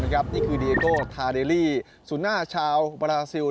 นี่คือเดีเอโกทาเดรี่สุนหน้าชาวประสิว